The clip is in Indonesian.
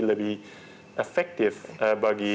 lebih efektif bagi